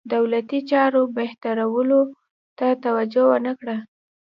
دولتي چارو بهترولو ته توجه ونه کړه.